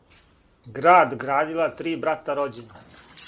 Град градила три брата рођена,